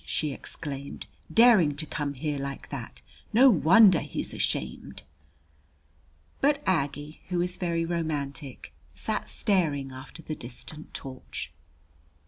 she exclaimed. "Daring to come here like that! No wonder he's ashamed." But Aggie, who is very romantic, sat staring after the distant torch.